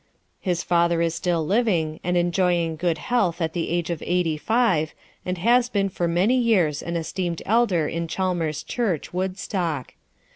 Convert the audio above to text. His father is still living, enjoying good health at the age of eighty five, and has been for many years an esteemed elder in Chalmers Church, Woodstock.